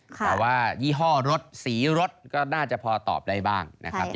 แต่ว่ายี่ห้อรถสีรถก็น่าจะพอตอบได้บ้างนะครับ